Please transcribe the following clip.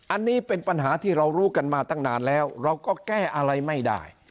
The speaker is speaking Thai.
อันนี้เป็นปัญหาที่เรารู้กันมาตั้งนานแล้วเราก็แก้อะไรไม่ได้